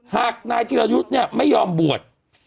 หากนายธิรยุทธ์เนี่ยไม่ยอมบวช